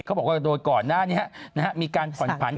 บอกว่าโดยก่อนหน้านี้มีการผ่อนผัน